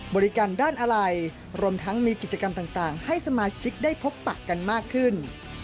บริการด้านอะไรรวมทั้งมีกิจกรรมต่างให้สมาชิกได้พบปะกันมากขึ้น